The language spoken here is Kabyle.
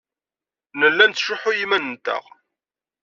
Nella nettcuḥḥu i yiman-nteɣ.